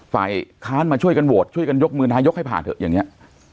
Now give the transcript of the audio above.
ฝ่ายค้านมาช่วยกันโหวตช่วยกันยกมือนายกให้ผ่านเถอะอย่างนี้